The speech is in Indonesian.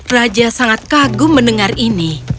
raja sangat kagum mendengar ini